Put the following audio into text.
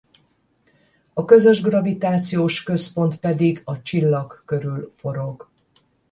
A közös gravitációs központ pedig a csillag körül forog.